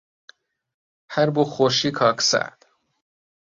هەر بۆ خۆشی کاک ئەسعەد